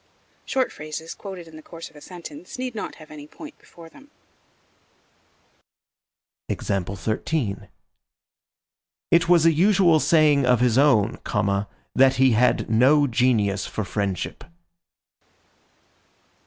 Short phrases quoted in the course of the sentence need not have any point before them. It was a usual saying of his own, that he had "no genius for friendship."